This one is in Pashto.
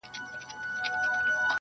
جهاني ما دي د خوبونو تعبیرونه کړي!